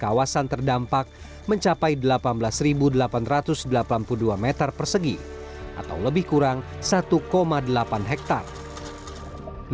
kawasan terdampak mencapai delapan belas delapan ratus delapan puluh dua meter persegi atau lebih kurang satu delapan hektare